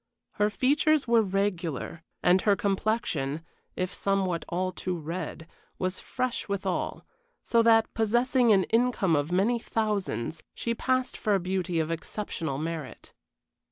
Her features were regular, and her complexion, if somewhat all too red, was fresh withal; so that, possessing an income of many thousands, she passed for a beauty of exceptional merit.